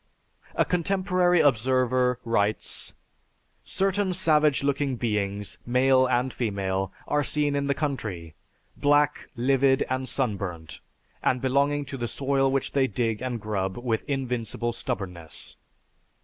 A contemporary observer writes, "Certain savage looking beings, male and female, are seen in the country, black, livid, and sunburnt, and belonging to the soil which they dig and grub with invincible stubbornness.